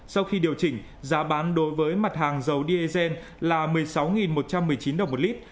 sau khi điều chỉnh giá bán đối với mặt hàng dầu diesel là một mươi sáu một trăm một mươi chín đồng một lít